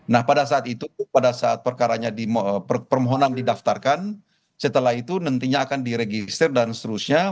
nah pada saat itu pada saat perkaranya permohonan didaftarkan setelah itu nantinya akan diregister dan seterusnya